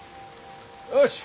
よし。